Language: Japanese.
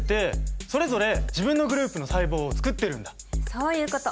そういうこと！